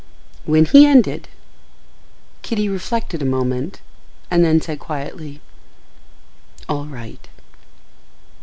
When he ended, Kitty reflected a moment and then said quietly, "All right."